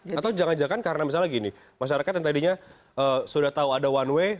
atau jangan jangan karena misalnya gini masyarakat yang tadinya sudah tahu ada one way